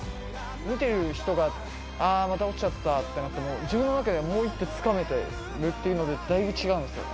見てる人が、あー、また落ちちゃったってなっても、もう自分の中ではもう一手つかめてるっていうので、だいぶ違うんですよね。